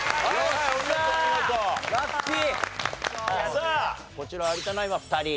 さあこちら有田ナインは２人。